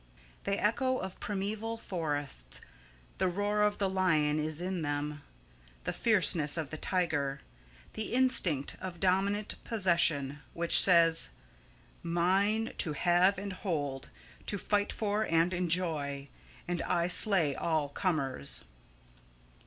They echo of primeval forests. The roar of the lion is in them, the fierceness of the tiger; the instinct of dominant possession, which says: "Mine to have and hold, to fight for and enjoy; and I slay all comers!"